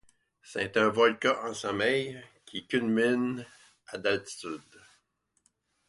C'est un volcan en sommeil qui culmine à d'altitude.